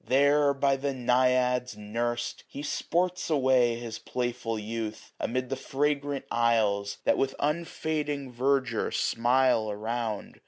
There, by the Naiads nurs'd, he sports away His playful youth, amid the fragrant isles, 810 That with unfading verdure smile around.